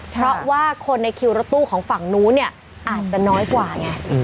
เพราะว่าคนในคิวรถตู้ของฝั่งนู้นเนี่ยอาจจะน้อยกว่าไง